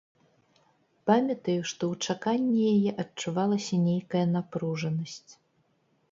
Памятаю, што ў чаканні яе адчувалася нейкая напружанасць.